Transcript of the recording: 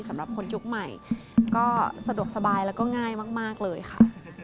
สำหรับคนยุคใหม่ก็สะดวกสบายแล้วก็ง่ายมากเลยค่ะ